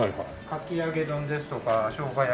かき揚げ丼ですとかしょうが焼きなんかを。